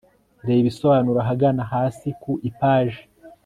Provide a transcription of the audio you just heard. reba ibisobanuro ahagana hasi ku ipaji